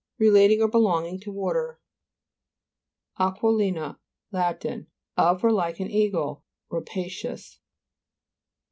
Re lating or belonging to water. Ao.t'iLi'NA Lat. Of or like an eagle; rapacious.